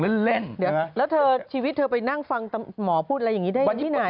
เจ้าชีวิตไปนั่งฟังด้วยคุณหมอพูดอะไรอย่างนี้ได้อยู่นี่ไหน